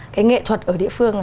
cái nghệ thuật ở địa phương